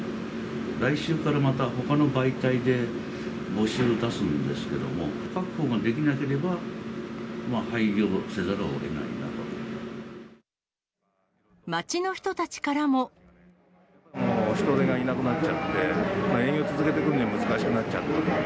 来週からまたほかの媒体で募集を出すんですけども、確保ができなければ、街の人たちからも。人手がいなくなっちゃって、営業続けていくには難しくなっちゃった。